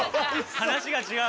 話が違う。